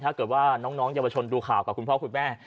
ถ้าเกิดว่าน้องเยาวชนดูข่าวกับคุณพ่อคุณแม่